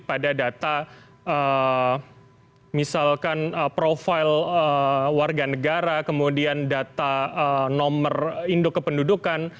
pada data misalkan profil warga negara kemudian data nomor induk kependudukan